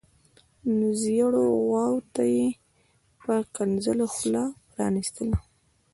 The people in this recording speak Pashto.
نو زیړو غواوو ته یې په ښکنځلو خوله پرانیستله.